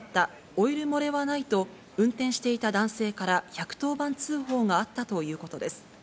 オイル漏れはないと、運転していた男性から１１０番通報があったということです。